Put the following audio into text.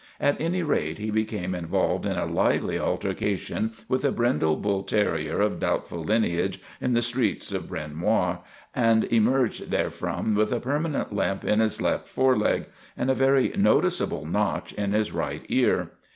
At any rate, he became involved in a lively altercation with a brindle bull terrier of doubtful lineage in the streets of Bryn Mawr, and emerged therefrom with a permanent limp in his left foreleg and a very noticeable notch in his right ear.